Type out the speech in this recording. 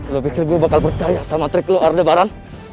lo pikir gue bakal percaya sama trik lo aldebaran